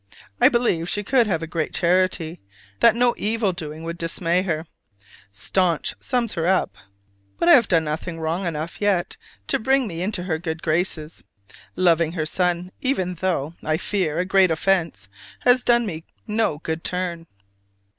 I believe she could have a great charity, that no evil doing would dismay her: "stanch" sums her up. But I have done nothing wrong enough yet to bring me into her good graces. Loving her son, even, though, I fear, a great offense, has done me no good turn.